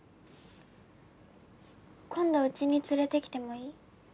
今度家に連れてきてもいい？